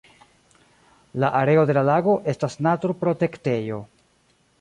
La areo de la lago estas naturprotektejo.